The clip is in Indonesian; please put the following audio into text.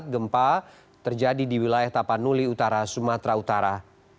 gempa terjadi di wilayah tapanuli utara sumatera utara